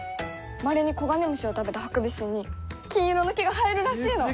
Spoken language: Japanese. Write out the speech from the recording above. まれにコガネムシを食べたハクビシンに金色の毛が生えるらしいの！